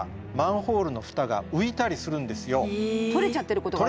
取れちゃってることがある。